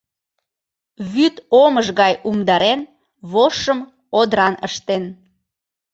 Вӱд омыж гай умдарен, вожшым одран ыштен.